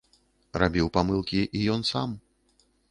Рабіў памылкі і ён сам.